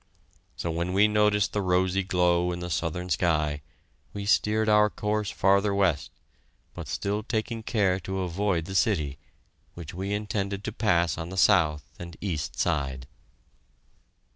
So when we noticed the rosy glow in the southern sky we steered our course farther west, but still taking care to avoid the city, which we intended to pass on the south and east side.